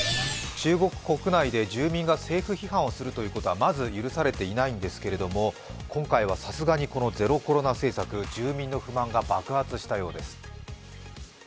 中国国内で住民が政府批判をするということはまず許されていないんですけども今回はさすがにこのゼロコロナ政策、住民の不満が爆発したようです。